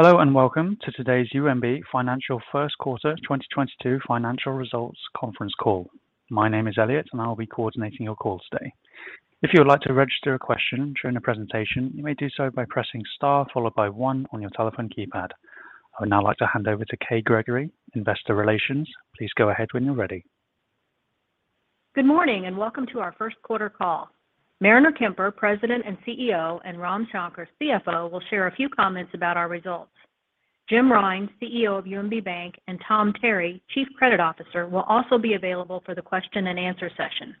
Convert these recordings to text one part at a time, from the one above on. Hello and welcome to today's UMB Financial First Quarter 2022 financial results conference call. My name is Elliot, and I'll be coordinating your calls today. If you would like to register a question during the presentation, you may do so by pressing star followed by one on your telephone keypad. I would now like to hand over to Kay Gregory, investor relations. Please go ahead when you're ready. Good morning, and welcome to our first quarter call. Mariner Kemper, President and CEO, and Ram Shankar, CFO, will share a few comments about our results. Jim Rine, CEO of UMB Bank, and Tom Terry, Chief Credit Officer, will also be available for the question-and-answer session.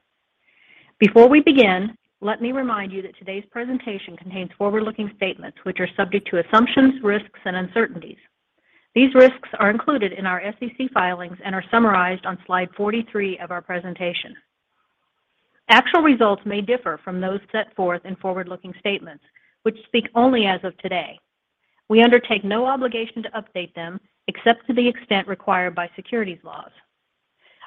Before we begin, let me remind you that today's presentation contains forward-looking statements which are subject to assumptions, risks, and uncertainties. These risks are included in our SEC filings and are summarized on slide 43 of our presentation. Actual results may differ from those set forth in forward-looking statements which speak only as of today. We undertake no obligation to update them except to the extent required by securities laws.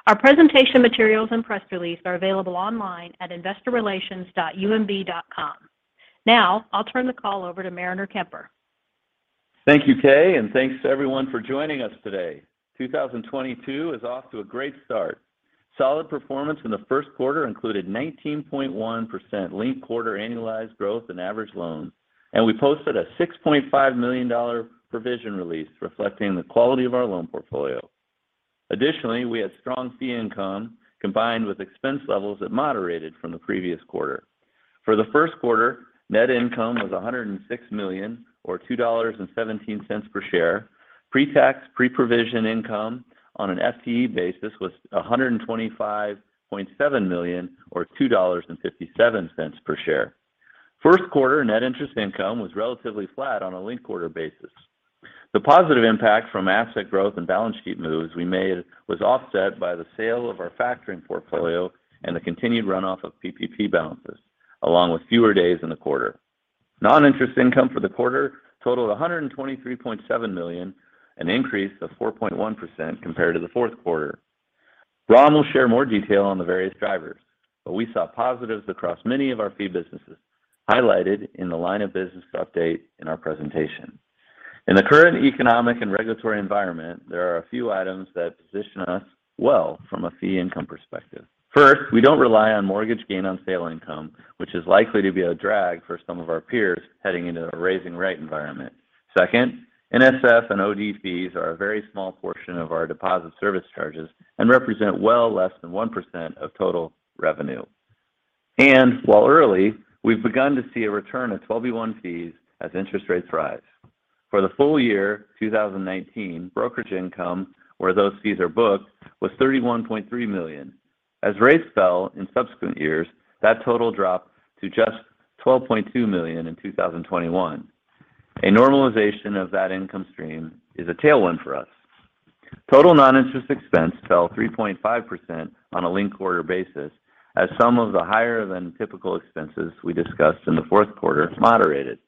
Our presentation materials and press release are available online at investorrelations.umb.com. Now, I'll turn the call over to Mariner Kemper. Thank you, Kay, and thanks to everyone for joining us today. 2022 is off to a great start. Solid performance in the first quarter included 19.1% linked quarter annualized growth in average loans, and we posted a $6.5 million provision release reflecting the quality of our loan portfolio. Additionally, we had strong fee income combined with expense levels that moderated from the previous quarter. For the first quarter, net income was $106 million or $2.17 per share. Pre-tax, pre-provision income on an FTE basis was $125.7 million or $2.57 per share. First quarter net interest income was relatively flat on a linked quarter basis. The positive impact from asset growth and balance sheet moves we made was offset by the sale of our factoring portfolio and the continued runoff of PPP balances, along with fewer days in the quarter. Non-interest income for the quarter totaled $123.7 million, an increase of 4.1% compared to the fourth quarter. Ram will share more detail on the various drivers, but we saw positives across many of our fee businesses highlighted in the line of business update in our presentation. In the current economic and regulatory environment, there are a few items that position us well from a fee income perspective. First, we don't rely on mortgage gain on sale income, which is likely to be a drag for some of our peers heading into a rising rate environment. Second, NSF and OD fees are a very small portion of our deposit service charges and represent well less than 1% of total revenue. While early, we've begun to see a return of 12b-1 fees as interest rates rise. For the full year 2019, brokerage income, where those fees are booked, was $31.3 million. As rates fell in subsequent years, that total dropped to just $12.2 million in 2021. A normalization of that income stream is a tailwind for us. Total non-interest expense fell 3.5% on a linked quarter basis as some of the higher than typical expenses we discussed in the fourth quarter moderated.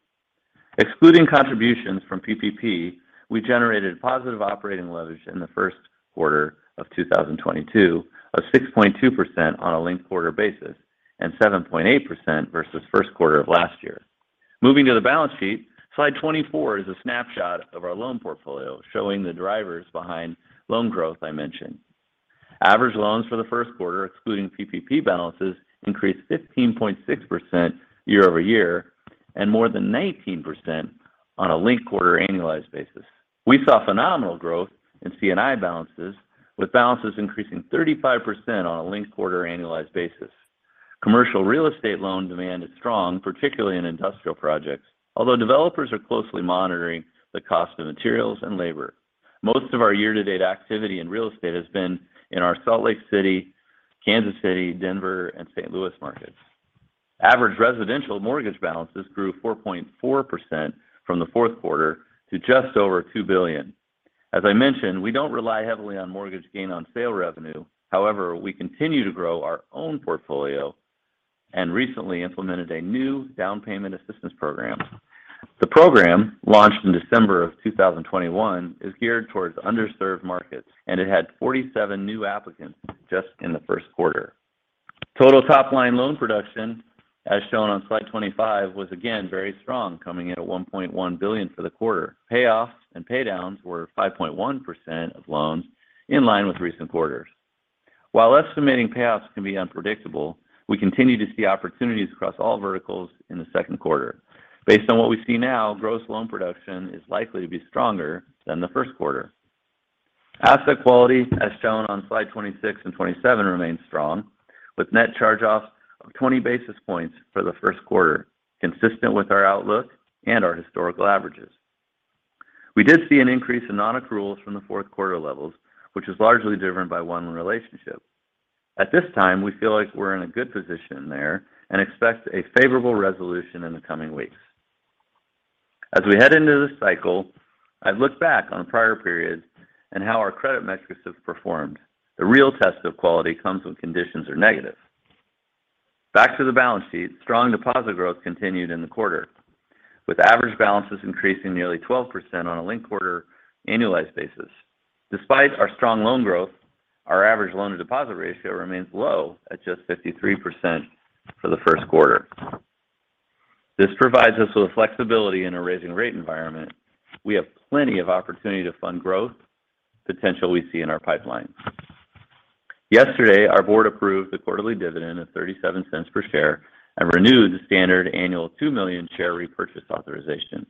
Excluding contributions from PPP, we generated positive operating leverage in the first quarter of 2022 of 6.2% on a linked quarter basis and 7.8% versus first quarter of last year. Moving to the balance sheet, slide 24 is a snapshot of our loan portfolio showing the drivers behind loan growth I mentioned. Average loans for the first quarter, excluding PPP balances, increased 15.6% year-over-year and more than 19% on a linked quarter annualized basis. We saw phenomenal growth in C&I balances, with balances increasing 35% on a linked quarter annualized basis. Commercial real estate loan demand is strong, particularly in industrial projects, although developers are closely monitoring the cost of materials and labor. Most of our year-to-date activity in real estate has been in our Salt Lake City, Kansas City, Denver, and St. Louis markets. Average residential mortgage balances grew 4.4% from the fourth quarter to just over $2 billion. As I mentioned, we don't rely heavily on mortgage gain on sale revenue. However, we continue to grow our own portfolio and recently implemented a new down payment assistance program. The program, launched in December of 2021, is geared towards underserved markets, and it had 47 new applicants just in the first quarter. Total top line loan production, as shown on slide 25, was again very strong, coming in at $1.1 billion for the quarter. Payoffs and pay downs were 5.1% of loans in line with recent quarters. While estimating payoffs can be unpredictable, we continue to see opportunities across all verticals in the second quarter. Based on what we see now, gross loan production is likely to be stronger than the first quarter. Asset quality, as shown on slide 26 and 27, remains strong, with net charge-offs of 20 basis points for the first quarter, consistent with our outlook and our historical averages. We did see an increase in non-accruals from the fourth quarter levels, which is largely driven by one relationship. At this time, we feel like we're in a good position there and expect a favorable resolution in the coming weeks. As we head into this cycle, I've looked back on prior periods and how our credit metrics have performed. The real test of quality comes when conditions are negative. Back to the balance sheet. Strong deposit growth continued in the quarter, with average balances increasing nearly 12% on a linked quarter annualized basis. Despite our strong loan growth. Our average loan to deposit ratio remains low at just 53% for the first quarter. This provides us with flexibility in a rising rate environment. We have plenty of opportunity to fund growth potential we see in our pipeline. Yesterday, our board approved the quarterly dividend of $0.37 per share and renewed the standard annual 2 million share repurchase authorization.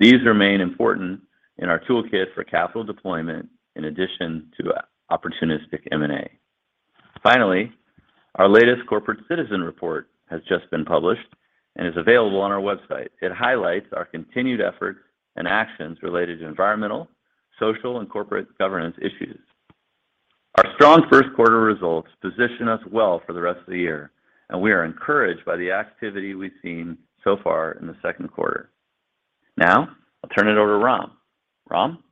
These remain important in our toolkit for capital deployment in addition to opportunistic M&A. Finally, our latest corporate citizen report has just been published and is available on our website. It highlights our continued efforts and actions related to environmental, social, and corporate governance issues. Our strong first quarter results position us well for the rest of the year, and we are encouraged by the activity we've seen so far in the second quarter. Now, I'll turn it over to Ram. Ram?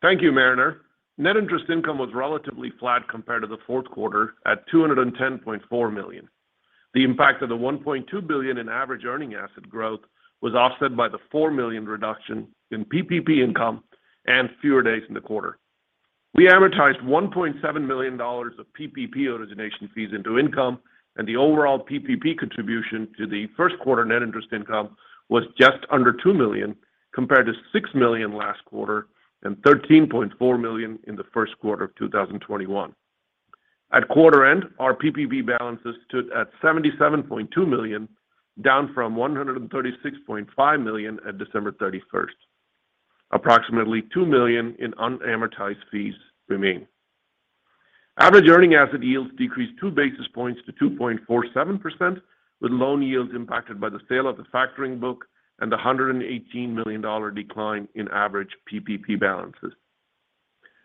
Thank you, Mariner. Net interest income was relatively flat compared to the fourth quarter at $210.4 million. The impact of the $1.2 billion in average earning asset growth was offset by the $4 million reduction in PPP income and fewer days in the quarter. We amortized $1.7 million of PPP origination fees into income, and the overall PPP contribution to the first quarter net interest income was just under $2 million, compared to $6 million last quarter and $13.4 million in the first quarter of 2021. At quarter end, our PPP balances stood at $77.2 million, down from $136.5 million at December 31st. Approximately $2 million in unamortized fees remain. Average earning asset yields decreased 2 basis points to 2.47%, with loan yields impacted by the sale of the factoring book and the $118 million decline in average PPP balances.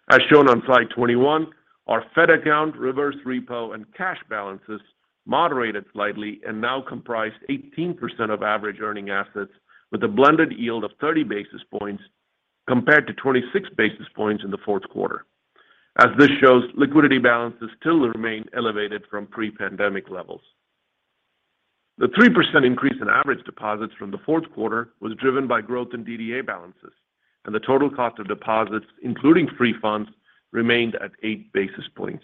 As shown on slide 21, our Fed account reverse repo and cash balances moderated slightly and now comprise 18% of average earning assets with a blended yield of 30 basis points compared to 26 basis points in the fourth quarter. As this shows, liquidity balances still remain elevated from pre-pandemic levels. The 3% increase in average deposits from the fourth quarter was driven by growth in DDA balances, and the total cost of deposits, including free funds, remained at 8 basis points.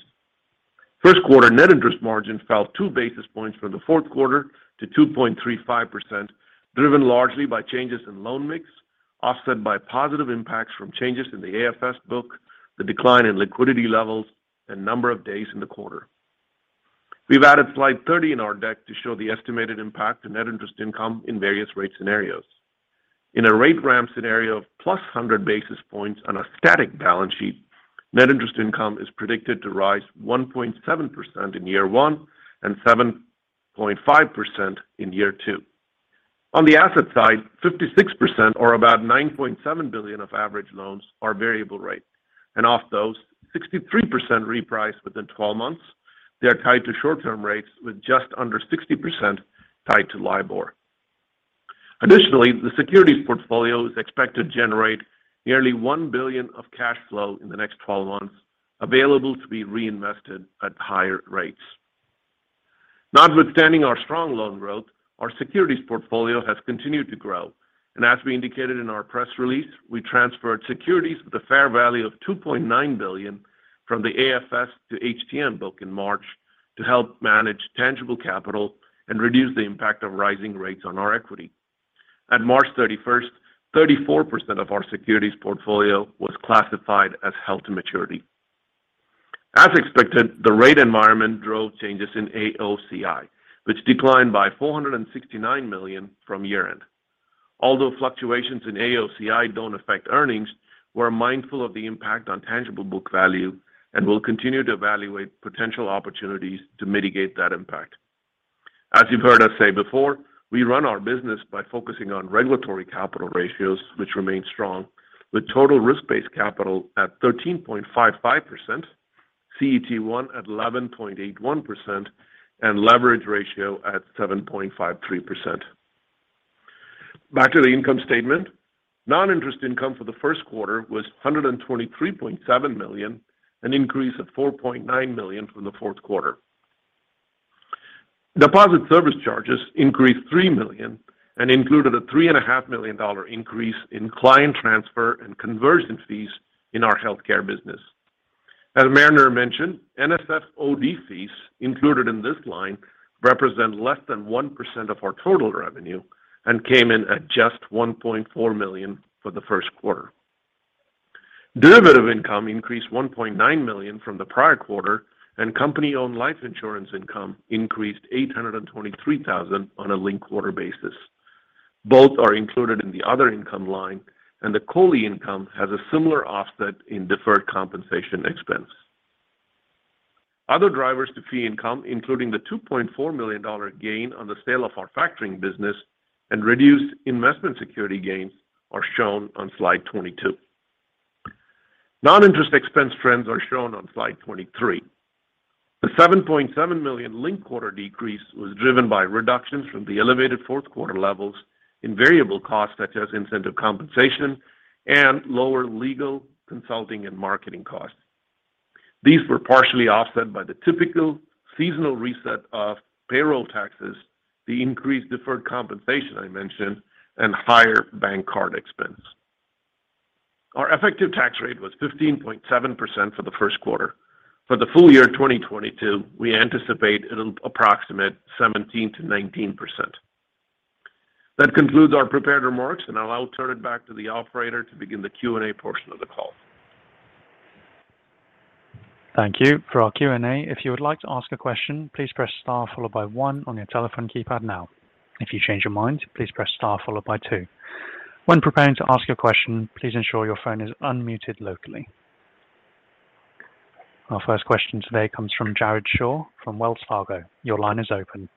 First quarter net interest margin fell 2 basis points from the fourth quarter to 2.35%, driven largely by changes in loan mix, offset by positive impacts from changes in the AFS book, the decline in liquidity levels, and number of days in the quarter. We've added slide 30 in our deck to show the estimated impact to net interest income in various rate scenarios. In a rate ramp scenario of +100 basis points on a static balance sheet, net interest income is predicted to rise 1.7% in year one and 7.5% in year two. On the asset side, 56% or about $9.7 billion of average loans are variable rate, and of those 63% reprice within 12 months. They are tied to short-term rates with just under 60% tied to LIBOR. Additionally, the securities portfolio is expected to generate nearly $1 billion of cash flow in the next 12 months available to be reinvested at higher rates. Notwithstanding our strong loan growth, our securities portfolio has continued to grow. As we indicated in our press release, we transferred securities with a fair value of $2.9 billion from the AFS to HTM book in March to help manage tangible capital and reduce the impact of rising rates on our equity. At March 31st, 34% of our securities portfolio was classified as held to maturity. As expected, the rate environment drove changes in AOCI, which declined by $469 million from year-end. Although fluctuations in AOCI don't affect earnings, we're mindful of the impact on tangible book value and will continue to evaluate potential opportunities to mitigate that impact. As you've heard us say before, we run our business by focusing on regulatory capital ratios, which remain strong, with total risk-based capital at 13.55%, CET1 at 11.81%, and leverage ratio at 7.53%. Back to the income statement. Non-interest income for the first quarter was $123.7 million, an increase of $4.9 million from the fourth quarter. Deposit service charges increased $3 million and included a $3.5 million increase in client transfer and conversion fees in our healthcare business. As Mariner mentioned, NSF & OD fees included in this line represent less than 1% of our total revenue and came in at just $1.4 million for the first quarter. Derivative income increased $1.9 million from the prior quarter, and company-owned life insurance income increased $823 thousand on a linked-quarter basis. Both are included in the other income line, and the COLI income has a similar offset in deferred compensation expense. Other drivers to fee income, including the $2.4 million gain on the sale of our factoring business and reduced investment security gains, are shown on slide 22. Non-interest expense trends are shown on slide 23. The $7.7 million linked-quarter decrease was driven by reductions from the elevated fourth quarter levels in variable costs such as incentive compensation and lower legal, consulting, and marketing costs. These were partially offset by the typical seasonal reset of payroll taxes, the increased deferred compensation I mentioned, and higher bank card expense. Our effective tax rate was 15.7% for the first quarter. For the full year 2022, we anticipate an approximate 17%-19%. That concludes our prepared remarks, and I'll now turn it back to the operator to begin the Q&A portion of the call. Thank you. For our Q&A, if you would like to ask a question, please press star followed by one on your telephone keypad now. If you change your mind, please press star followed by two. When preparing to ask a question, please ensure your phone is unmuted locally. Our first question today comes from Jared Shaw from Wells Fargo. Your line is open.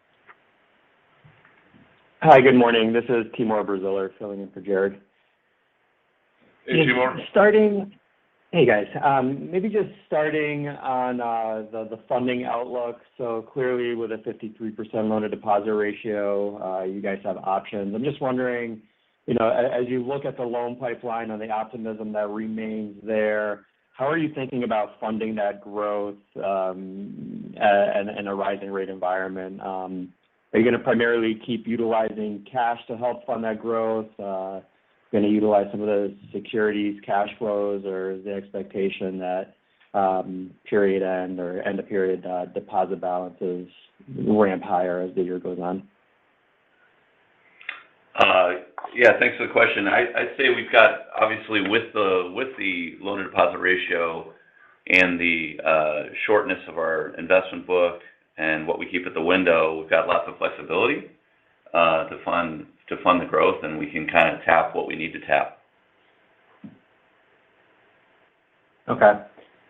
Hi, good morning. This is Timur Braziler filling in for Jared. Hey, Timur. Hey, guys. Maybe just starting on the funding outlook. Clearly, with a 53% loan to deposit ratio, you guys have options. I'm just wondering, you know, as you look at the loan pipeline and the optimism that remains there, how are you thinking about funding that growth in a rising rate environment? Are you going to primarily keep utilizing cash to help fund that growth? Going to utilize some of those securities cash flows? Or is the expectation that period end or end of period deposit balances ramp higher as the year goes on? Yeah. Thanks for the question. I'd say we've got, obviously, with the loan to deposit ratio and the shortness of our investment book and what we keep at the window, we've got lots of flexibility to fund the growth, and we can kind of tap what we need to tap. Okay.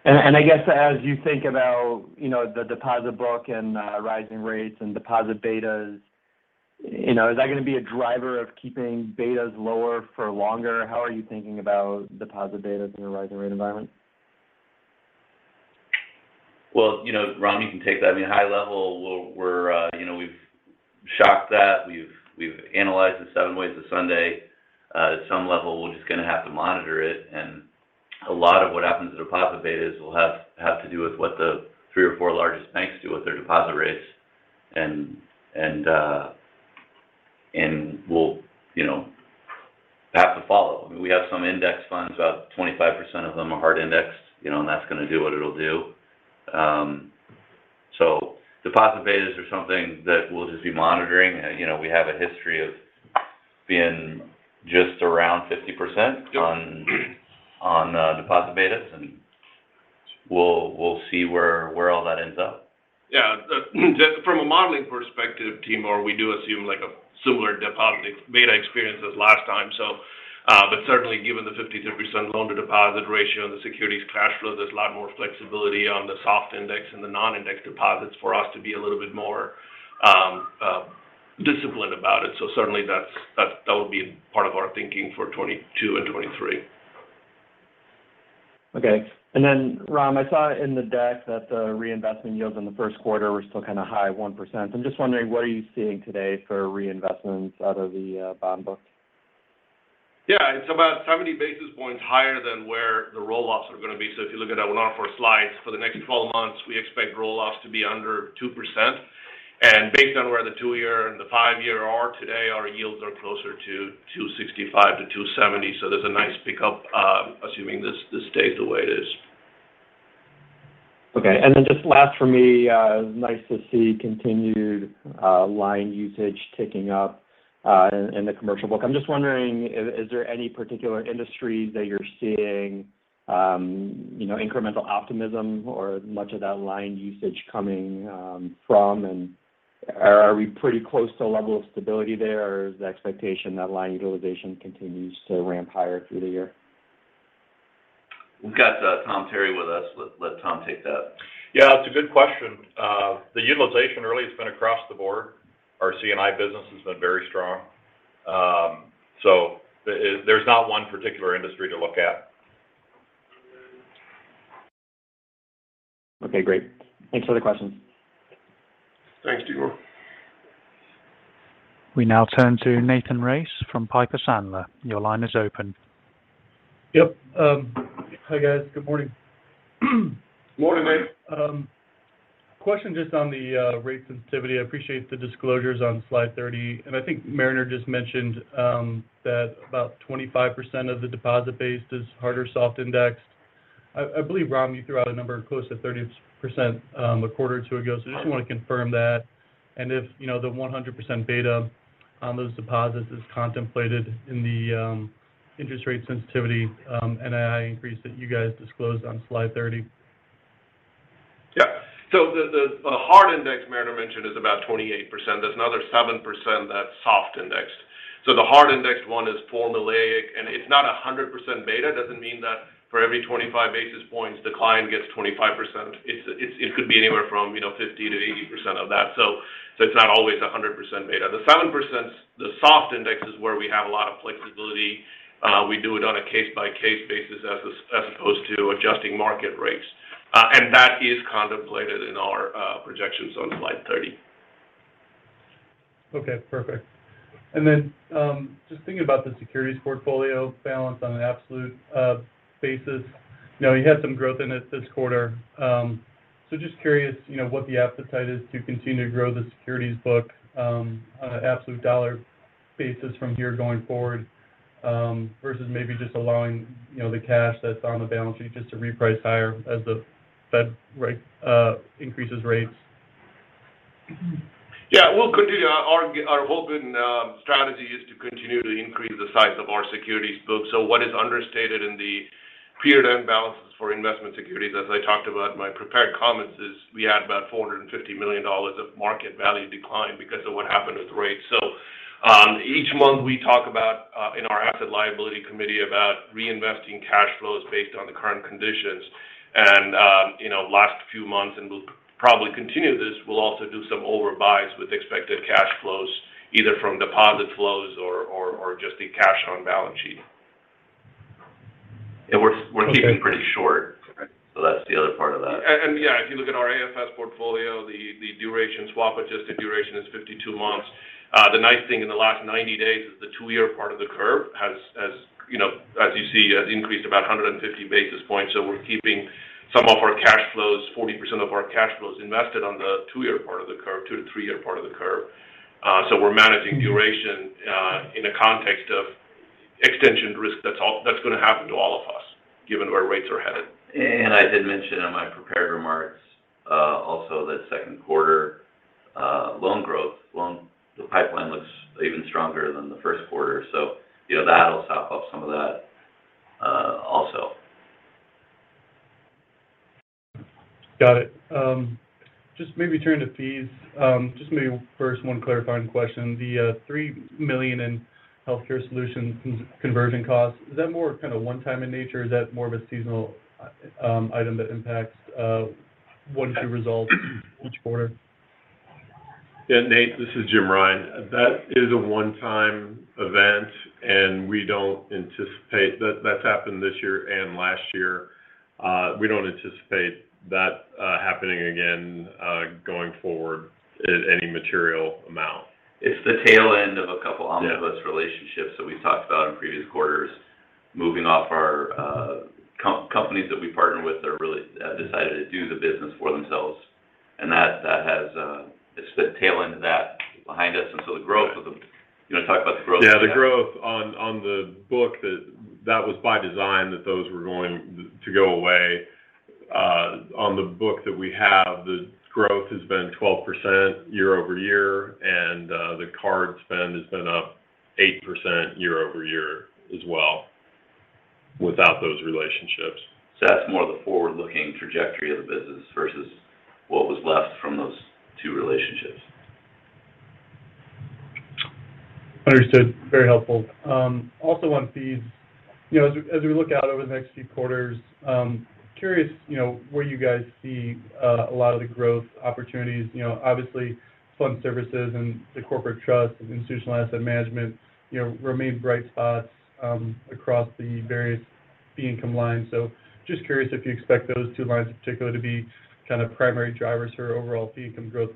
I guess as you think about, you know, the deposit book and rising rates and deposit betas, you know, is that going to be a driver of keeping betas lower for longer? How are you thinking about deposit betas in a rising rate environment? Well, you know, Ram, you can take that. I mean, high level, we're, you know, we've shocked that. We've analyzed it seven ways to Sunday. At some level, we're just going to have to monitor it. A lot of what happens to deposit betas will have to do with what the three or four largest banks do with their deposit rates. We'll, you know, have to follow. We have some index funds. About 25% of them are hard indexed, you know, and that's going to do what it'll do. So deposit betas are something that we'll just be monitoring. You know, we have a history of being just around 50% on deposit betas, and we'll see where all that ends up. Yeah. From a modeling perspective, Timur, we do assume, like, a similar deposit beta experience as last time. Certainly given the 53% loan to deposit ratio and the securities cash flow, there's a lot more flexibility on the SOFR-indexed and the non-indexed deposits for us to be a little bit more disciplined about it. Certainly that would be part of our thinking for 2022 and 2023. Okay. Ram, I saw in the deck that the reinvestment yields in the first quarter were still kind of high at 1%. I'm just wondering, what are you seeing today for reinvestments out of the bond book? Yeah. It's about 70 basis points higher than where the roll-offs are going to be. If you look at one of our slides, for the next 12 months, we expect roll-offs to be under 2%. Based on where the 2-year and the 5-year are today, our yields are closer to 265-270. There's a nice pickup, assuming this stays the way it is. Okay. Just last for me, nice to see continued line usage ticking up in the commercial book. I'm just wondering, is there any particular industries that you're seeing, you know, incremental optimism or much of that line usage coming from? Are we pretty close to a level of stability there? Or is the expectation that line utilization continues to ramp higher through the year? We've got Tom Terry with us. Let Tom take that. Yeah, it's a good question. The utilization really has been across the board. Our C&I business has been very strong. There's not one particular industry to look at. Okay, great. Thanks for the questions. Thanks, Timur. We now turn to Nathan Race from Piper Sandler. Your line is open. Yep. Hi, guys. Good morning. Morning, Nate. Question just on the rate sensitivity. I appreciate the disclosures on slide 30. I think Mariner just mentioned that about 25% of the deposit base is hard or soft indexed. I believe, Ram, you threw out a number close to 30%, a quarter or two ago. I just want to confirm that and if, you know, the 100% beta on those deposits is contemplated in the interest rate sensitivity NII increase that you guys disclosed on slide 30. Yeah. The hard index Mariner mentioned is about 28%. There's another 7% that's soft indexed. The hard indexed one is formulaic. It's not 100% beta. It doesn't mean that for every 25 basis points, the client gets 25%. It could be anywhere from, you know, 50%-80% of that. It's not always 100% beta. The 7%, the soft index, is where we have a lot of flexibility. We do it on a case-by-case basis as opposed to adjusting market rates. And that is contemplated in our projections on slide 30. Okay, perfect. Just thinking about the securities portfolio balance on an absolute basis. You know, you had some growth in it this quarter. Just curious, you know, what the appetite is to continue to grow the securities book on an absolute dollar basis from here going forward versus maybe just allowing, you know, the cash that's on the balance sheet just to reprice higher as the Fed increases rates. Yeah. We'll continue. Our whole strategy is to continue to increase the size of our securities book. What is understated in the period-end balances for investment securities, as I talked about in my prepared comments, is we had about $450 million of market value decline because of what happened with rates. Each month we talk about in our asset liability committee about reinvesting cash flows based on the current conditions and, you know, last few months, and we'll probably continue this. We'll also do some over buys with expected cash flows, either from deposit flows or just the cash on balance sheet. We're keeping pretty short. Okay. That's the other part of that. Yeah. If you look at our AFS portfolio, the duration swap-adjusted duration is 52 months. The nice thing in the last 90 days is the two-year part of the curve, you know, as you see, has increased about 150 basis points. We're keeping some of our cash flows, 40% of our cash flows invested on the two-year part of the curve, two- to three-year part of the curve. We're managing duration in the context of extension risk that's gonna happen to all of us given where rates are headed. I did mention in my prepared remarks, also that second quarter loan growth. The pipeline looks even stronger than the first quarter, so you know, that'll sop up some of that, also. Got it. Just maybe turning to fees. Just maybe first one clarifying question. The $3 million in healthcare solutions conversion costs, is that more kind of one time in nature, or is that more of a seasonal item that impacts one, two results each quarter? Yeah. Nate, this is Jim Rine. That is a one-time event, and we don't anticipate that. That's happened this year and last year. We don't anticipate that happening again going forward in any material amount. It's the tail end of a couple omnibus relationships that we've talked about in previous quarters. Moving off our companies that we partner with that are really decided to do the business for themselves. That has. It's the tail end of that behind us. The growth of the. You wanna talk about the growth? Yeah. The growth on the book that was by design that those were going to go away. On the book that we have, the growth has been 12% year-over-year, and the card spend has been up 8% year-over-year as well without those relationships. That's more the forward-looking trajectory of the business versus what was left from those two relationships. Understood. Very helpful. Also on fees. You know, as we look out over the next few quarters, curious, you know, where you guys see a lot of the growth opportunities. You know, obviously, fund services and the corporate trust and institutional asset management, you know, remain bright spots across the various fee income lines. Just curious if you expect those two lines in particular to be kind of primary drivers for overall fee income growth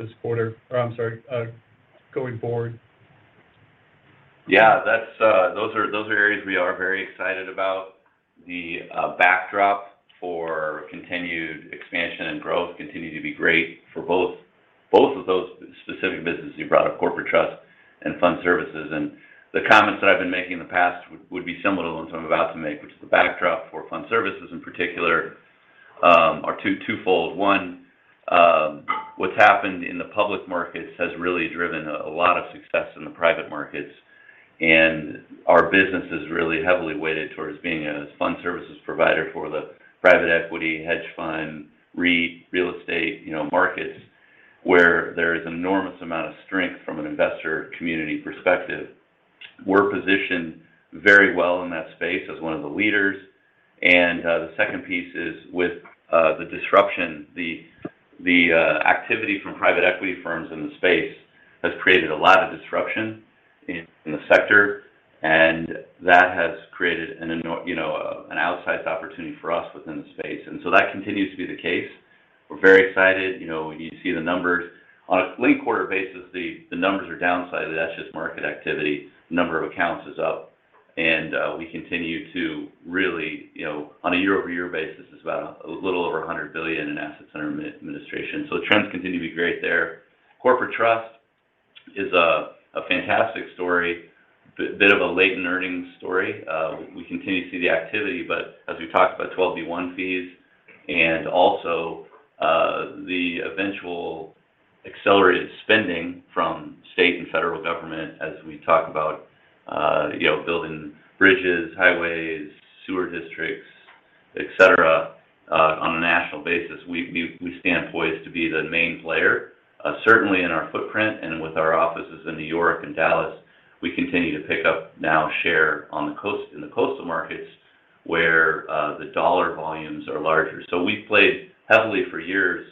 going forward. Yeah. Those are areas we are very excited about. The backdrop for continued expansion and growth continue to be great for both of those specific businesses you brought up, corporate trust and fund services. The comments that I've been making in the past would be similar to the ones I'm about to make, which is the backdrop for fund services in particular are two-fold. One, what's happened in the public markets has really driven a lot of success in the private markets. Our business is really heavily weighted towards being a fund services provider for the private equity, hedge fund, real estate, you know, markets, where there is enormous amount of strength from an investor community perspective. We're positioned very well in that space as one of the leaders. The second piece is with the disruption. The activity from private equity firms in the space has created a lot of disruption in the sector, and that has created you know, an outsized opportunity for us within the space. That continues to be the case. We're very excited. You know, when you see the numbers. On a linked-quarter basis, the numbers are downsized. That's just market activity. Number of accounts is up. We continue to really you know, on a year-over-year basis, it's about a little over $100 billion in assets under administration. So the trends continue to be great there. Corporate trust is a fantastic story. A bit of a latent earnings story. We continue to see the activity, but as we talked about 12b-1 fees and also, the eventual accelerated spending from state and federal government as we talk about, you know, building bridges, highways, sewer districts, et cetera, on a national basis. We stand poised to be the main player, certainly in our footprint and with our offices in New York and Dallas. We continue to pick up our share in the coastal markets where the dollar volumes are larger. So we played heavily for years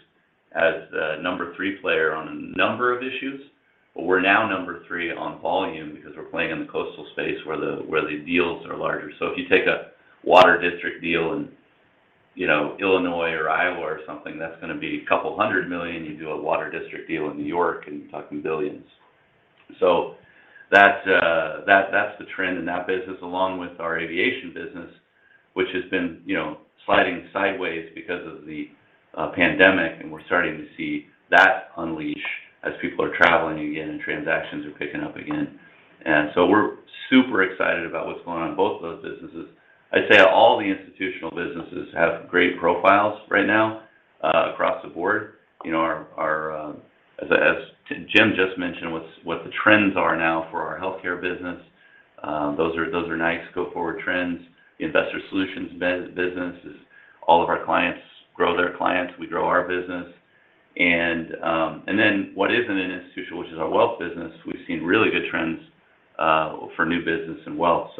as the number three player on a number of issues. But we're now number three on volume because we're playing in the coastal space where the deals are larger. If you take a water district deal in, you know, Illinois or Iowa or something, that's gonna be $200 million. You do a water district deal in New York, and you're talking $ billions. That's the trend in that business along with our aviation business, which has been, you know, sliding sideways because of the pandemic, and we're starting to see that unleash as people are traveling again, and transactions are picking up again. We're super excited about what's going on in both of those businesses. I'd say all the institutional businesses have great profiles right now, across the board. You know. As Jim just mentioned, what the trends are now for our healthcare business, those are nice go-forward trends. Investor solutions business is all of our clients grow their clients, we grow our business. What isn't institutional, which is our wealth business, we've seen really good trends for new business and wealth.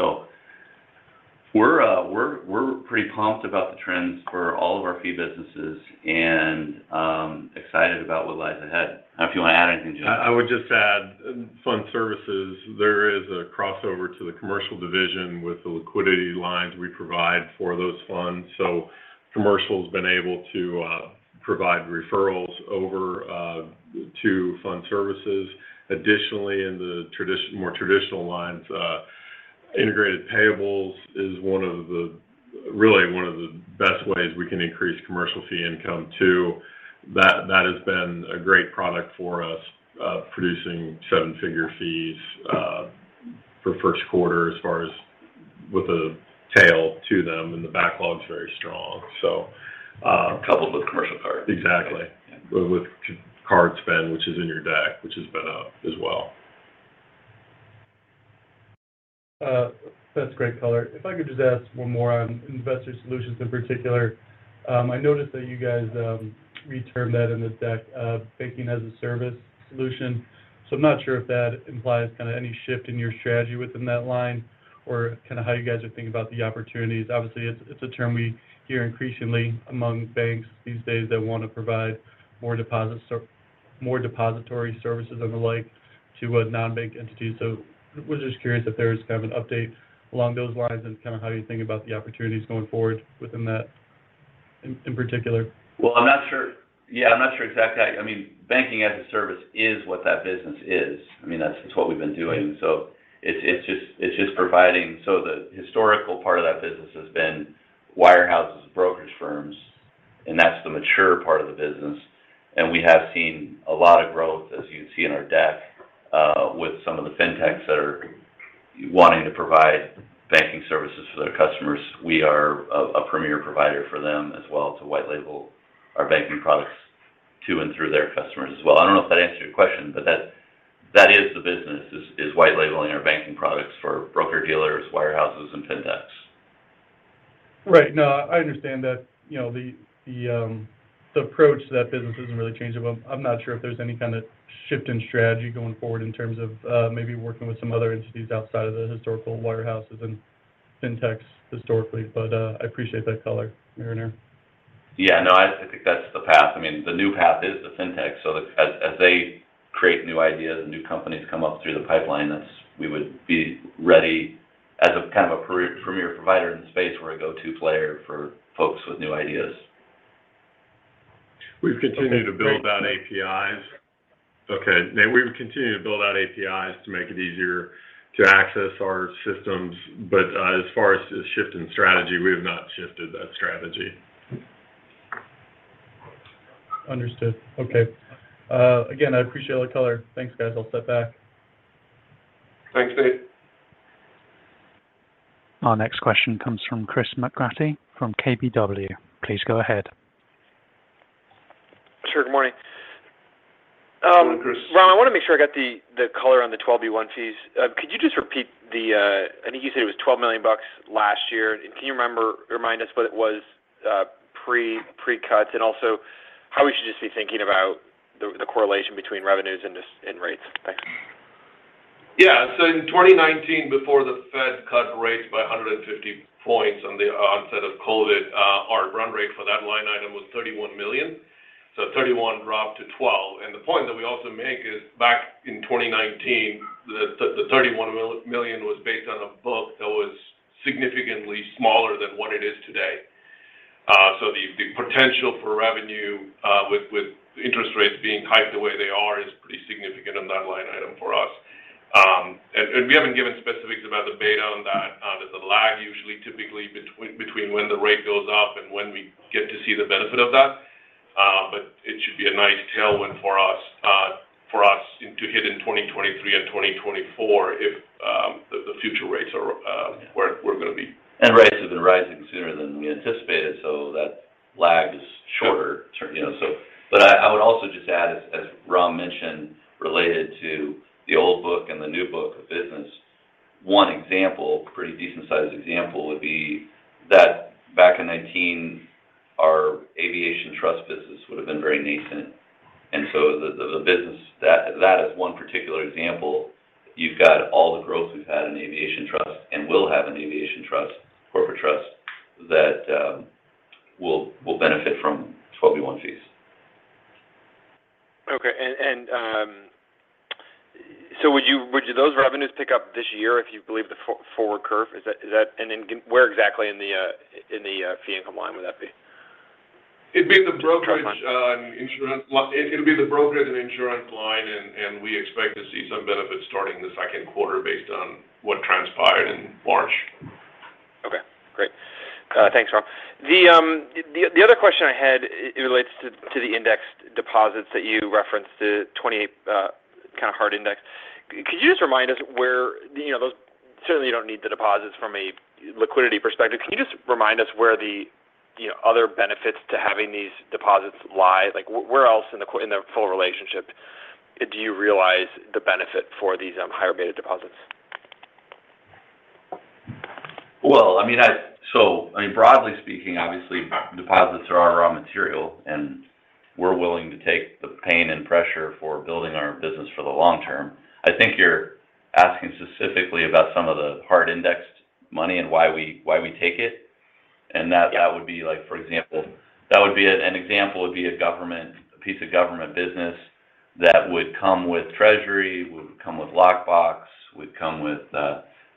We're pretty pumped about the trends for all of our fee businesses and excited about what lies ahead. I don't know if you want to add anything, Jim. I would just add fund services. There is a crossover to the commercial division with the liquidity lines we provide for those funds. Commercial's been able to provide referrals over to fund services. Additionally, more traditional lines, integrated payables is really one of the best ways we can increase commercial fee income too. That has been a great product for us, producing seven-figure fees for first quarter as far as with a tail to them, and the backlog's very strong. Coupled with commercial card. Exactly. Yeah. With card spend, which is in your deck, which has been up as well. That's great color. If I could just ask one more on investor solutions in particular. I noticed that you guys re-termed that in the deck as banking-as-a-service solution. I'm not sure if that implies kind of any shift in your strategy within that line or kind of how you guys are thinking about the opportunities. Obviously, it's a term we hear increasingly among banks these days that want to provide more deposits or more depository services and the like to a non-bank entity. I was just curious if there's kind of an update along those lines and kind of how you think about the opportunities going forward within that in particular. Well, I'm not sure. Yeah, I'm not sure exactly. I mean, banking-as-a-service is what that business is. I mean, that's just what we've been doing. It's just providing. The historical part of that business has been wirehouses and brokerage firms, and that's the mature part of the business. We have seen a lot of growth, as you can see in our deck, with some of the fintechs that are wanting to provide banking services for their customers. We are a premier provider for them as well to white label our banking products to and through their customers as well. I don't know if that answered your question, but that is the business is white labeling our banking products for broker-dealers, wirehouses, and fintechs. Right. No, I understand that. You know, the approach to that business isn't really changing, but I'm not sure if there's any kind of shift in strategy going forward in terms of maybe working with some other entities outside of the historical wirehouses and fintechs historically. I appreciate that color, Mariner. Yeah, no, I think that's the path. I mean, the new path is the fintech. As they create new ideas and new companies come up through the pipeline, we would be ready as a kind of a premier provider in the space. We're a go-to player for folks with new ideas. We've continued to build out APIs. Okay, great. Okay. No, we've continued to build out APIs to make it easier to access our systems. As far as the shift in strategy, we have not shifted that strategy. Understood. Okay. Again, I appreciate all the color. Thanks, guys. I'll step back. Thanks, Nate. Our next question comes from Chris McGratty from KBW. Please go ahead. Sure. Good morning. Good morning, Chris. Ram, I want to make sure I got the color on the 12b-1 fees. Could you just repeat? I think you said it was $12 million last year. Can you remind us what it was pre-cut? How we should be thinking about the correlation between revenues and rates. Thanks. Yeah. In 2019, before the Fed cut rates by 150 points on the onset of COVID, our run rate for that line item was $31 million. 31 dropped to 12. The point that we also make is back in 2019, the $31 million was based on a book that was significantly smaller than what it is today. The potential for revenue with interest rates being hiked the way they are is pretty significant on that line item for us. We haven't given specifics about the beta on that. There's a lag usually typically between when the rate goes up and when we get to see the benefit of that. It should be a nice tailwind for us to hit in 2023 and 2024 if the future rates are where gonna be. Rates have been rising sooner than we anticipated, so that lag is shorter. Sure. You know, I would also just add, as Ram mentioned, related to the old book and the new book of business, one example, pretty decent-sized example, would be that back in 2019, our aviation trust business would have been very nascent. The business that is one particular example. You've got all the growth we've had in the aviation trust and will have in the aviation trust, corporate trust that will benefit from 12b-1 fees. Would those revenues pick up this year if you believe the forward curve? Where exactly in the fee income line would that be? Well, it'll be the brokerage and insurance line, and we expect to see some benefits starting the second quarter based on what transpired in March. Okay, great. Thanks, Ram. The other question I had, it relates to the index deposits that you referenced, the 20 kind of hard index. Could you just remind us where those. Certainly you don't need the deposits from a liquidity perspective. Can you just remind us where the other benefits to having these deposits lie? Like, where else in the full relationship do you realize the benefit for these higher beta deposits? Well, I mean, broadly speaking, obviously deposits are our raw material, and we're willing to take the pain and pressure for building our business for the long term. I think you're asking specifically about some of the hard indexed money and why we take it. Yeah. That would be like, for example, an example would be a government, a piece of government business that would come with Treasury, would come with lockbox, would come with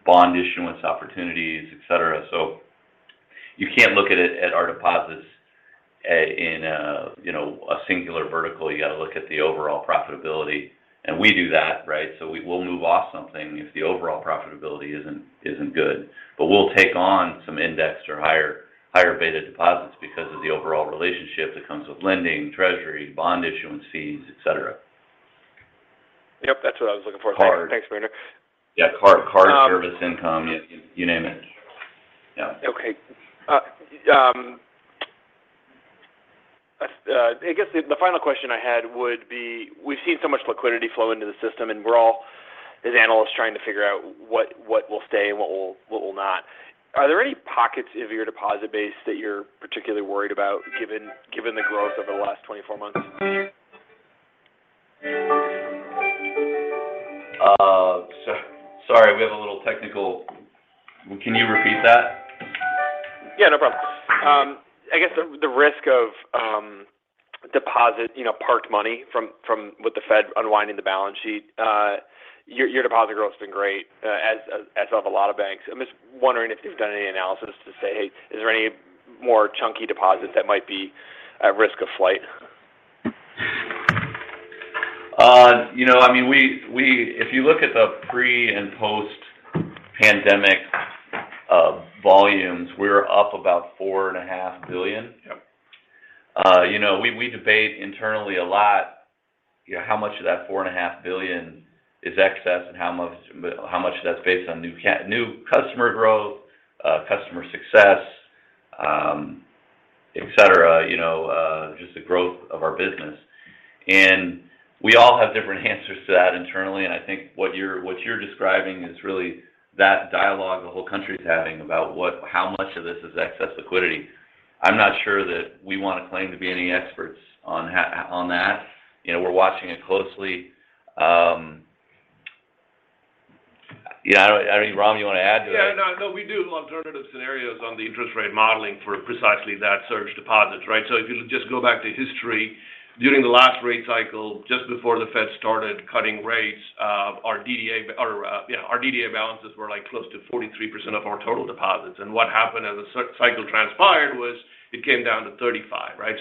bond issuance opportunities, et cetera. You can't look at it at our deposits in a, you know, a singular vertical. You got to look at the overall profitability. We do that, right? We will move off something if the overall profitability isn't good. We'll take on some indexed or higher beta deposits because of the overall relationship that comes with lending, treasury, bond issuance fees, et cetera. Yep, that's what I was looking for. Card. Thanks, Kemper. Yeah, card service income. You name it. Yeah. Okay. I guess the final question I had would be, we've seen so much liquidity flow into the system and we're all, as analysts, trying to figure out what will stay and what will not. Are there any pockets of your deposit base that you're particularly worried about given the growth over the last 24 months? Sorry, we have a little technical. Can you repeat that? Yeah, no problem. I guess the risk of deposits, you know, parked money with the Fed unwinding the balance sheet. Your deposit growth's been great, as have a lot of banks. I'm just wondering if you've done any analysis to say, "Hey, is there any more chunky deposits that might be at risk of flight? You know, I mean, if you look at the pre- and post-pandemic volumes, we're up about $4.5 billion. Yep. You know, we debate internally a lot, you know, how much of that $4.5 billion is excess and how much of that's based on new customer growth, customer success, et cetera. You know, just the growth of our business. We all have different answers to that internally, and I think what you're describing is really that dialogue the whole country's having about how much of this is excess liquidity. I'm not sure that we want to claim to be any experts on that. You know, we're watching it closely. I don't know, Ram, you want to add to that? No, no, we do alternative scenarios on the interest rate modeling for precisely that surge deposits, right? If you just go back to history, during the last rate cycle, just before the Fed started cutting rates, our DDA balances were like close to 43% of our total deposits. What happened as the cycle transpired was it came down to 35, right?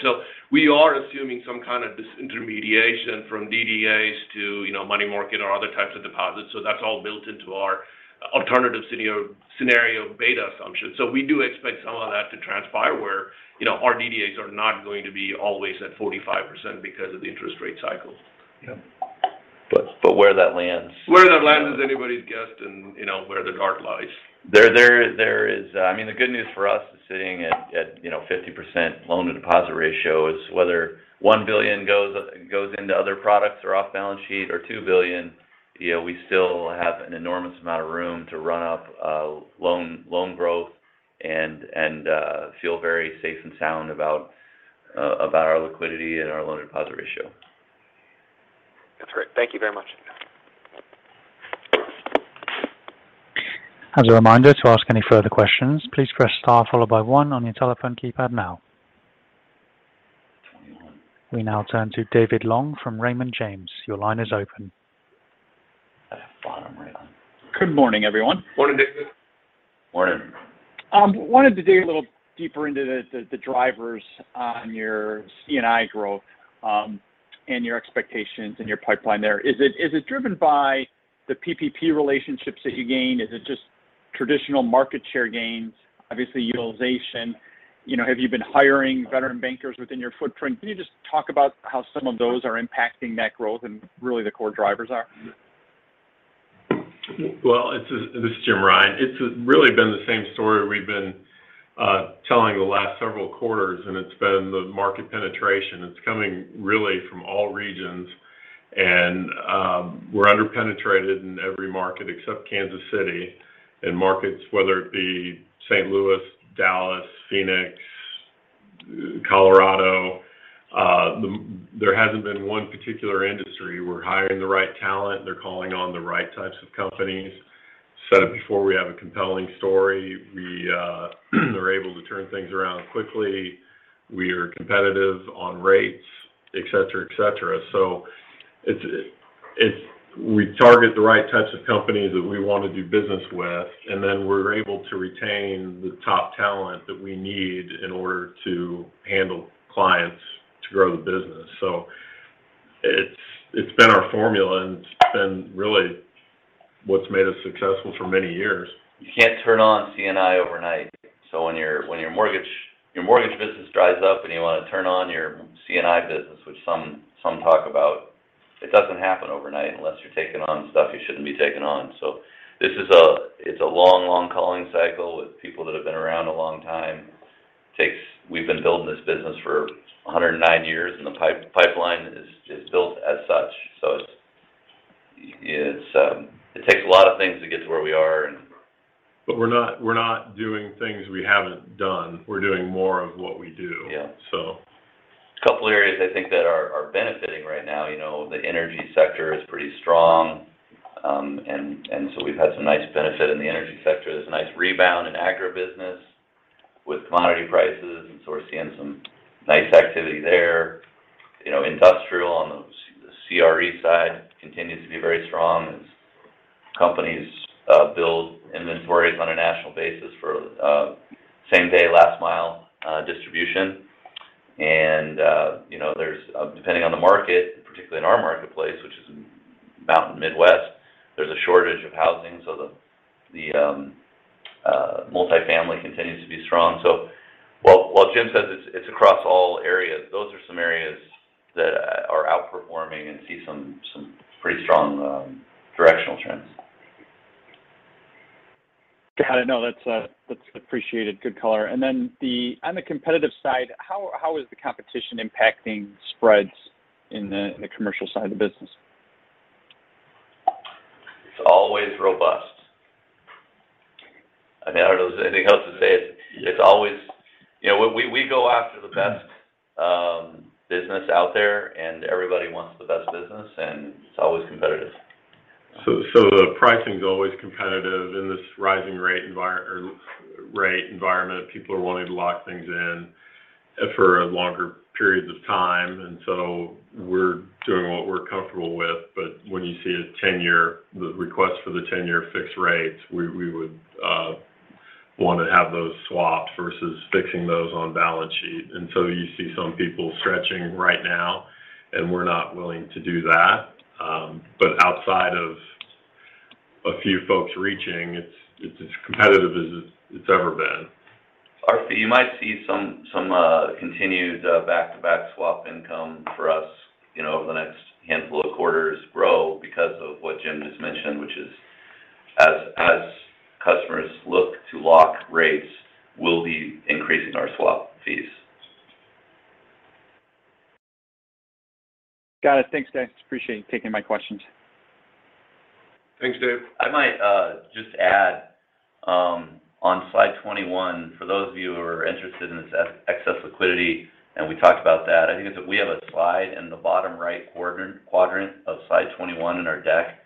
We are assuming some kind of disintermediation from DDAs to, you know, money market or other types of deposits. That's all built into our alternative scenario beta assumption. We do expect some of that to transpire where, you know, our DDAs are not going to be always at 45% because of the interest rate cycle. Yeah. Where that lands- Where that lands is anybody's guess and, you know, where the dart lies. I mean, the good news for us is sitting at, you know, 50% loan to deposit ratio is whether $1 billion goes into other products or off balance sheet or $2 billion. You know, we still have an enormous amount of room to run up loan growth and feel very safe and sound about our liquidity and our loan to deposit ratio. That's great. Thank you very much. As a reminder to ask any further questions, please press star followed by one on your telephone keypad now. We now turn to David Long from Raymond James. Your line is open. At a bottom rate. Good morning, everyone. Morning, David. Morning. Wanted to dig a little deeper into the drivers on your C&I growth, and your expectations and your pipeline there. Is it driven by the PPP relationships that you gain? Is it just traditional market share gains, obviously utilization? You know, have you been hiring veteran bankers within your footprint? Can you just talk about how some of those are impacting that growth and really the core drivers are? Well, this is Jim Rine. It's really been the same story we've been telling the last several quarters, and it's been the market penetration. It's coming really from all regions and we're under-penetrated in every market except Kansas City. In markets, whether it be St. Louis, Dallas, Phoenix, Colorado, there hasn't been one particular industry. We're hiring the right talent. They're calling on the right types of companies. Said it before we have a compelling story. We are able to turn things around quickly. We are competitive on rates, et cetera, et cetera. We target the right types of companies that we want to do business with, and then we're able to retain the top talent that we need in order to handle clients to grow the business. It's been our formula, and it's been really what's made us successful for many years. You can't turn on C&I overnight. When your mortgage business dries up, and you want to turn on your C&I business, which some talk about, it doesn't happen overnight unless you're taking on stuff you shouldn't be taking on. This is a long calling cycle with people that have been around a long time. We've been building this business for 109 years, and the pipeline is built as such. It takes a lot of things to get to where we are. We're not doing things we haven't done. We're doing more of what we do. Yeah. So. A couple areas I think that are benefiting right now, you know, the energy sector is pretty strong, and so we've had some nice benefit in the energy sector. There's a nice rebound in agribusiness with commodity prices, and so we're seeing some nice activity there. You know, industrial on the CRE side continues to be very strong as companies build inventories on a national basis for same day, last mile distribution. You know, there's depending on the market, particularly in our marketplace, which is mountain Midwest, there's a shortage of housing. The multifamily continues to be strong. While Jim says it's across all areas, those are some areas that are outperforming and see some pretty strong directional trends. Got it. No, that's appreciated. Good color. Then, on the competitive side, how is the competition impacting spreads in the commercial side of the business? It's always robust. I mean, I don't know if there's anything else to say. It's always. You know, we go after the best business out there, and everybody wants the best business, and it's always competitive. The pricing's always competitive in this rising rate environment. People are wanting to lock things in for longer periods of time. We're doing what we're comfortable with. When you see a 10-year, the request for the 10-year fixed rates, we would want to have those swapped versus fixing those on balance sheet. You see some people stretching right now, and we're not willing to do that. Outside of a few folks reaching, it's as competitive as it's ever been. You might see some continued back-to-back swap income for us, you know, over the next handful of quarters grow because of what Jim just mentioned, which is as customers look to lock rates, we'll be increasing our swap fees. Got it. Thanks, guys. Appreciate you taking my questions. Thanks, Dave. I might just add on slide 21, for those of you who are interested in this excess liquidity, and we talked about that, I think we have a slide in the bottom right quadrant of slide 21 in our deck.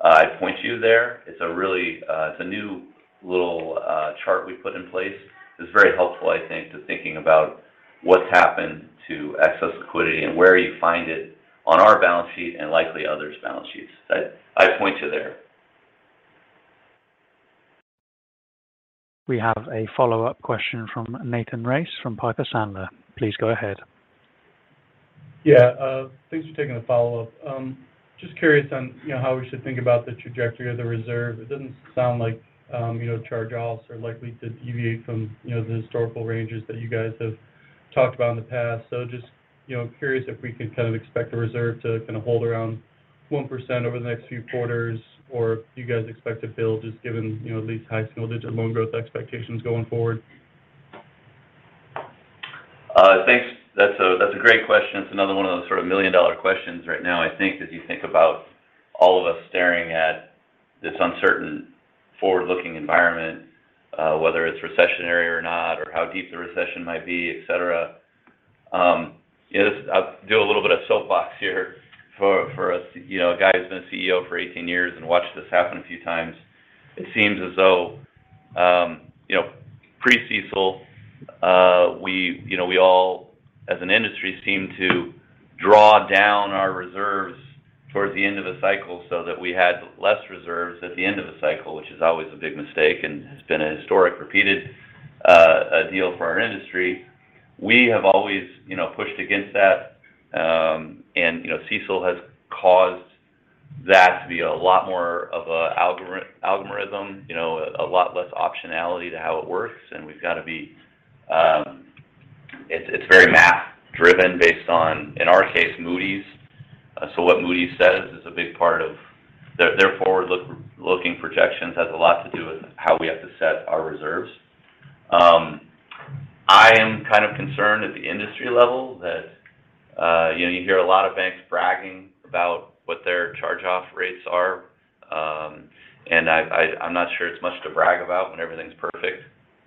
I'd point you there. It's a new little chart we put in place. It's very helpful, I think, to thinking about what's happened to excess liquidity and where you find it on our balance sheet and likely others' balance sheets. I'd point you there. We have a follow-up question from Nathan Race from Piper Sandler. Please go ahead. Yeah. Thanks for taking the follow-up. Just curious on, you know, how we should think about the trajectory of the reserve. It doesn't sound like, you know, charge-offs are likely to deviate from, you know, the historical ranges that you guys have talked about in the past. Just, you know, curious if we could kind of expect the reserve to kind of hold around 1% over the next few quarters, or do you guys expect it to build just given, you know, at least high single-digit% loan growth expectations going forward? Thanks. That's a great question. It's another one of those sort of million-dollar questions right now, I think, as you think about all of us staring at this uncertain forward-looking environment, whether it's recessionary or not, or how deep the recession might be, et cetera. Yeah, this. I'll do a little bit of soapbox here for a guy who's been a CEO for 18 years and watched this happen a few times. It seems as though, you know, pre-CECL, we all as an industry seem to draw down our reserves towards the end of a cycle so that we had less reserves at the end of a cycle, which is always a big mistake and has been a historic repeated deal for our industry. We have always, you know, pushed against that, and, you know, CECL has caused that to be a lot more of a algorithm, you know, a lot less optionality to how it works. We've got to be. It's very math driven based on, in our case, Moody's. What Moody's says is a big part of their forward-looking projections has a lot to do with how we have to set our reserves. I am kind of concerned at the industry level that, you know, you hear a lot of banks bragging about what their charge-off rates are, and I'm not sure it's much to brag about when everything's perfect,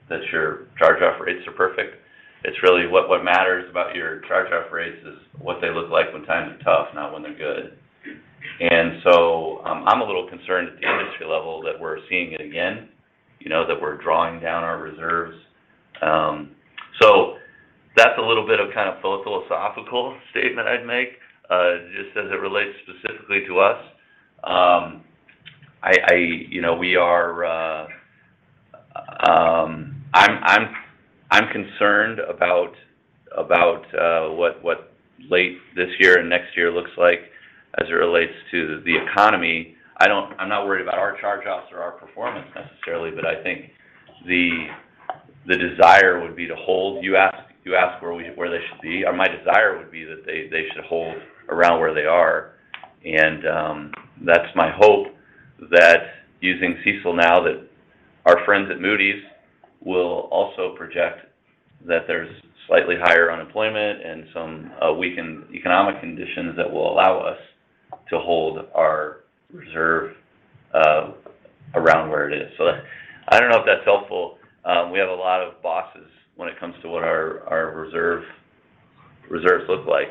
that your charge-off rates are perfect. It's really what matters about your charge-off rates is what they look like when times are tough, not when they're good. I'm a little concerned at the industry level that we're seeing it again, you know, that we're drawing down our reserves. So that's a little bit of kind of philosophical statement I'd make. Just as it relates specifically to us, you know, I'm concerned about what late this year and next year looks like as it relates to the economy. I'm not worried about our charge-offs or our performance necessarily, but I think the desire would be to hold. You asked where they should be, and my desire would be that they should hold around where they are. That's my hope that using CECL now that our friends at Moody's will also project that there's slightly higher unemployment and some weakened economic conditions that will allow us to hold our reserve around where it is. I don't know if that's helpful. We have a lot of bosses when it comes to what our reserves look like.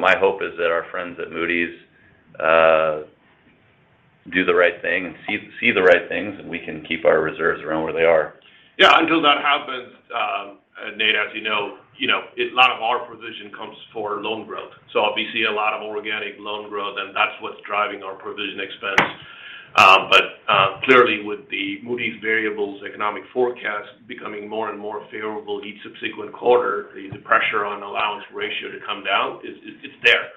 My hope is that our friends at Moody's do the right thing and see the right things, and we can keep our reserves around where they are. Yeah. Until that happens, Nate, as you know, a lot of our provision comes for loan growth. Obviously, a lot of organic loan growth, and that's what's driving our provision expense. But clearly with the Moody's variables economic forecast becoming more and more favorable each subsequent quarter, the pressure on allowance ratio to come down, it's there,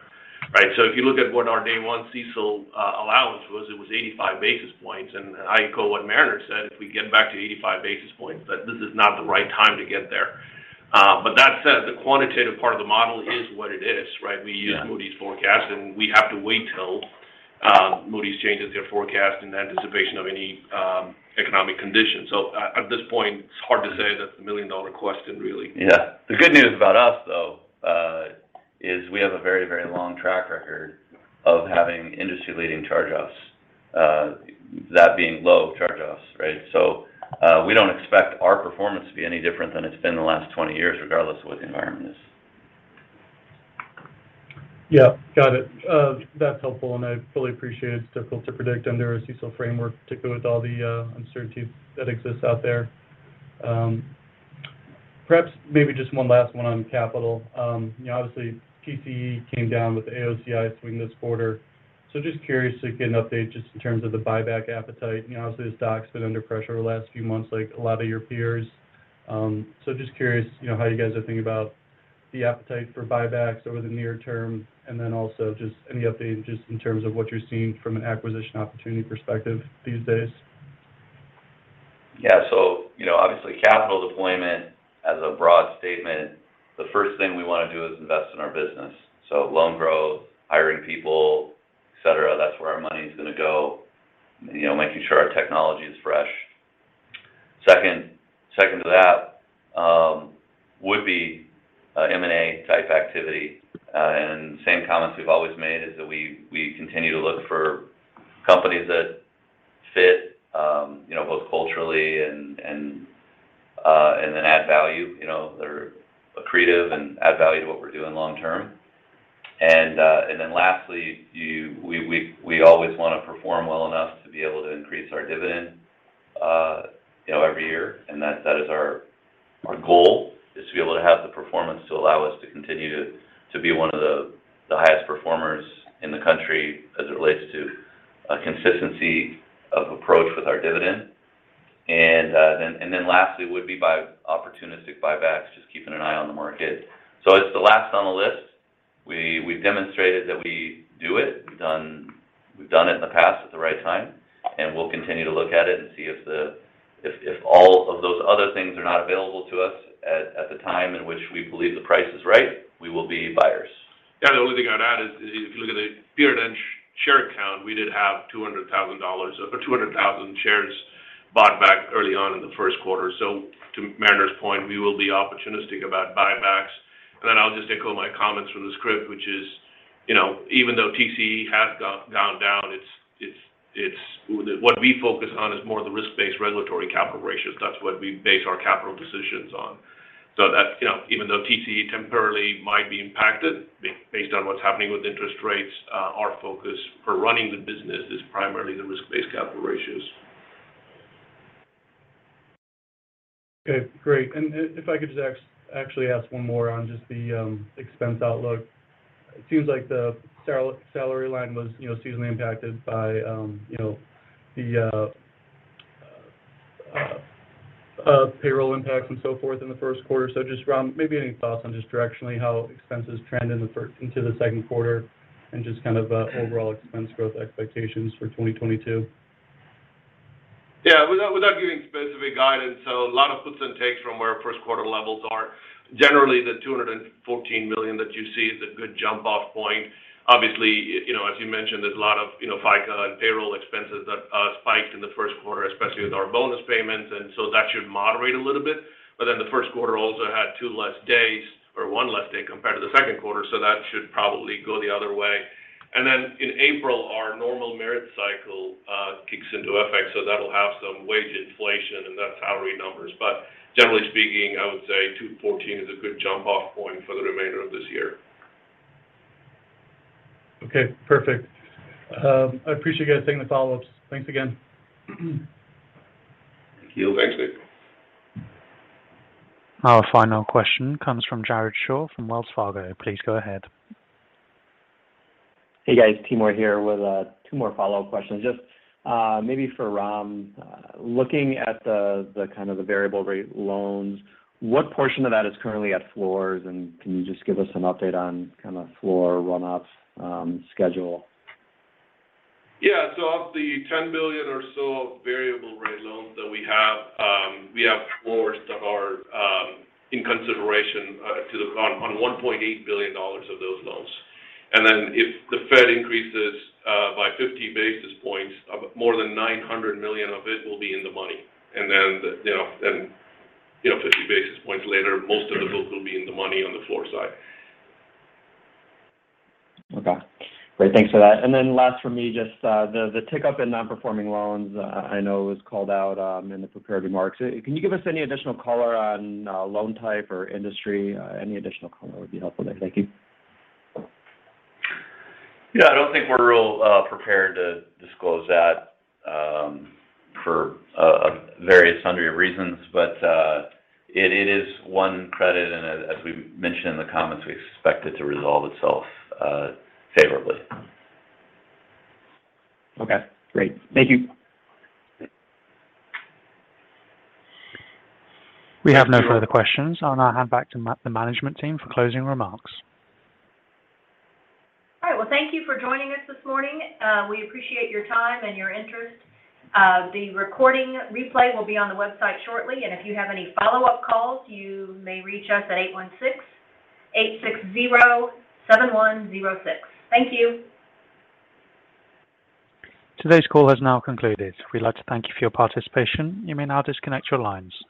right? If you look at what our day one CECL allowance was, it was 85 basis points. I echo what Mariner said, if we get back to 85 basis points, that this is not the right time to get there. But that said, the quantitative part of the model is what it is, right? Yeah. We use Moody's forecast, and we have to wait till Moody's changes their forecast in anticipation of any economic conditions. At this point, it's hard to say. That's the million-dollar question, really. Yeah. The good news about us, though, is we have a very, very long track record of having industry-leading charge-offs, that being low charge-offs, right? We don't expect our performance to be any different than it's been the last 20 years, regardless of what the environment is. Yeah. Got it. That's helpful, and I fully appreciate it's difficult to predict under a CECL framework, particularly with all the uncertainties that exist out there. Perhaps maybe just one last one on capital. You know, obviously, TCE came down with the AOCI swing this quarter. Just curious to get an update just in terms of the buyback appetite. You know, obviously, the stock's been under pressure over the last few months like a lot of your peers. Just curious, you know, how you guys are thinking about the appetite for buybacks over the near term, and then also just any update just in terms of what you're seeing from an acquisition opportunity perspective these days. Yeah. You know, obviously, capital deployment as a broad statement, the first thing we want to do is invest in our business. Loan growth, hiring people, et cetera, that's where our money is going to go. You know, making sure our technology is fresh. Second to that, would be M&A type activity. And same comments we've always made is that we continue to look for companies that fit, you know, both culturally and then add value. You know, they're accretive and add value to what we're doing long term. Then lastly, we always want to perform well enough to be able to increase our dividend, you know, every year. That is our goal to be able to have the performance to allow us to continue to be one of the highest performers in the country as it relates to a consistency of approach with our dividend. Lastly would be opportunistic buybacks, just keeping an eye on the market. It's the last on the list. We've demonstrated that we do it. We've done it in the past at the right time, and we'll continue to look at it and see if all of those other things are not available to us at the time in which we believe the price is right, we will be buyers. Yeah. The only thing I'd add is if you look at the year-end share count, we did have 200,000 shares bought back early on in the first quarter. To Mariner's point, we will be opportunistic about buybacks. I'll just echo my comments from the script, which is, you know, even though TCE has gone down, it's what we focus on is more the risk-based regulatory capital ratios. That's what we base our capital decisions on. That's, you know, even though TCE temporarily might be impacted based on what's happening with interest rates, our focus for running the business is primarily the risk-based capital ratios. Okay. Great. If I could just actually ask one more on just the expense outlook. It seems like the salary line was, you know, seasonally impacted by, you know, the payroll impacts and so forth in the first quarter. Just around maybe any thoughts on just directionally how expenses trend into the second quarter and just kind of overall expense growth expectations for 2022. Yeah. Without giving specific guidance. A lot of puts and takes from where our first quarter levels are. Generally, the $214 million that you see is a good jump-off point. Obviously, you know, as you mentioned, there's a lot of, you know, FICA and payroll expenses that spiked in the first quarter, especially with our bonus payments, and so that should moderate a little bit. Then the first quarter also had two less days or one less day compared to the second quarter, so that should probably go the other way. Then in April, our normal merit cycle kicks into effect, so that'll have some wage inflation in that salary numbers. Generally speaking, I would say 214 is a good jump-off point for the remainder of this year. Okay, perfect. I appreciate you guys taking the follow-ups. Thanks again. Thank you. Thanks. Our final question comes from Jared Shaw from Wells Fargo. Please go ahead. Hey, guys. Timur here with two more follow-up questions. Just maybe for Ram. Looking at the kind of variable rate loans, what portion of that is currently at floors? Can you just give us an update on kind of floor run off schedule? Yeah. Of the $10 billion or so of variable rate loans that we have, we have floors that are in consideration on $1.8 billion of those loans. If the Fed increases by 50 basis points, more than $900 million of it will be in the money. You know, 50 basis points later, most of those will be in the money on the floor side. Okay. Great, thanks for that. Then last for me, just the tick up in non-performing loans. I know it was called out in the prepared remarks. Can you give us any additional color on loan type or industry? Any additional color would be helpful there. Thank you. Yeah, I don't think we're really prepared to disclose that for various sundry reasons. It is one credit, and as we mentioned in the comments, we expect it to resolve itself favorably. Okay, great. Thank you. We have no further questions. I'll now hand back to the management team for closing remarks. All right. Well, thank you for joining us this morning. We appreciate your time and your interest. The recording replay will be on the website shortly. If you have any follow-up calls, you may reach us at 816-860-7106. Thank you. Today's call has now concluded. We'd like to thank you for your participation. You may now disconnect your lines.